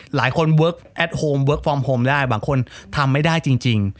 หลายคนเวิร์คฟอร์มโฮมบางคนทำไม่ได้จริง